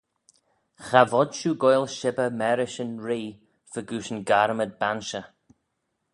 Cha vod shiu goaill shibbyr marish yn Ree fegooish yn garmad banshey.